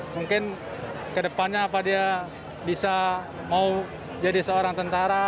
mungkin kedepannya apa dia bisa mau jadi seorang tentara